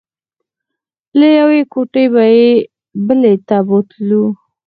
له یوې کوټې به یې بلې ته بوتلو.